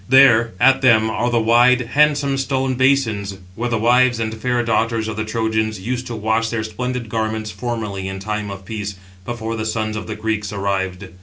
There, at them, are the wide, handsome stone basins, where the wives and fair daughters of the Trojans used to wash their splendid garments formerly in time of peace, before the sons of the Greeks arrived.